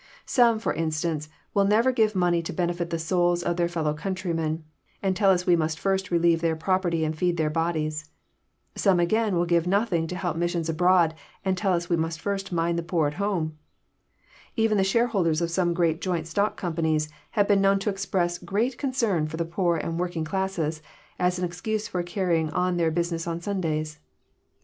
Some, for Instance, will never give money to benefit the souls of their fellow countrymen, and tell ns we must first relieve their property and feed their bodies.— Some again will give nothing to help missions abroad, and tell us we must first mind the poor at borne. — Even the shareholders of some great Joint stock companies have been known to express great concern for the poor and working classes, as an excuse for carrying on their business on Sundays.